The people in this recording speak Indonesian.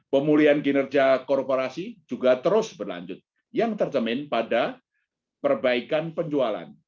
pemulihan kinerja korporasi juga terus berlanjut yang tercemin pada perbaikan penjualan